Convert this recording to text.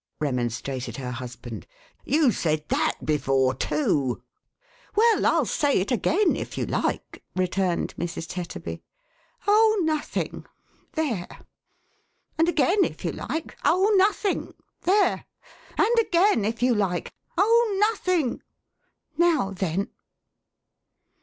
M re monstrated her husband, "you ;! said that before, too.*1 " Well, I'll say it again if you like," re turned Mrs. Tetterby. "Oh nothing — there! And again if you like, oh nothing — there ! And again if you like, oh nothing— now then